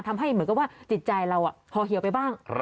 ทำให้เหมือนกับว่าจิตใจเราห่อเหี่ยวไปบ้าง